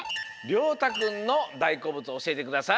りょうたくんのだいこうぶつおしえてください。